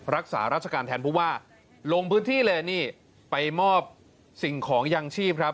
รักษาราชการแทนผู้ว่าลงพื้นที่เลยนี่ไปมอบสิ่งของยังชีพครับ